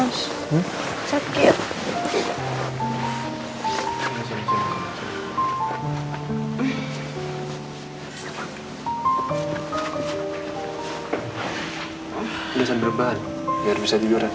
udah sambil rebahan biar bisa tiduran